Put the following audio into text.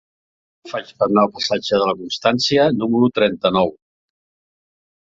Com ho faig per anar al passatge de la Constància número trenta-nou?